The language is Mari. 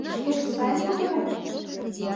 — Шкеже сайын кутырет?